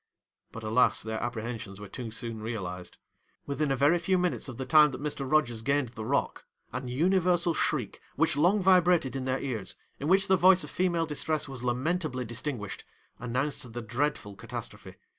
'But, alas, their apprehensions were too soon realised! Within a very few minutes of the time that Mr. Rogers gained the rock, an universal shriek, which long vibrated in their ears, in which the voice of female distress was lamentably distinguished, announced the dreadful catastrophe.